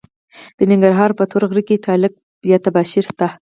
د ننګرهار په تور غره کې تالک یا تباشیر شته.